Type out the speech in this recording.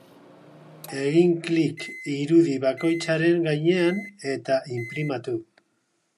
Egin klik irudi bakoitzaren gainean eta inprimatu.